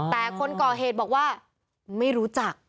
แต่คนก่อเหตุบอกว่าไม่รู้จัก